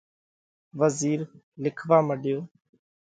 وزِير لکوا مڏيو۔